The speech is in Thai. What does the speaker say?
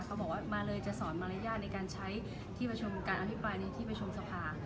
เขาบอกว่ามาเลยจะสอนมารยาทในการใช้ที่ประชุมการอภิปรายในที่ประชุมสภา